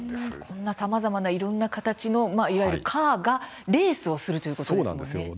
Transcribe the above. こんなさまざまないろんな形のいわゆる、カーがレースをするということですもんね。